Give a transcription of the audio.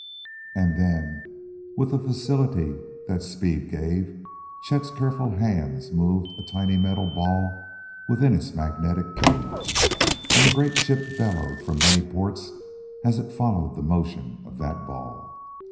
And then, with the facility that that speed gave, Chet's careful hands moved a tiny metal ball within its magnetic cage, and the great ship bellowed from many ports as it followed the motion of that ball.